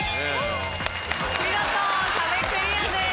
見事壁クリアです。